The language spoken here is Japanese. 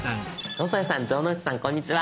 野添さん城之内さんこんにちは。